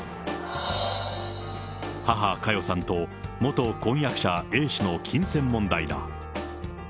母、佳代さんと元婚約者、Ａ氏の金銭問題だ。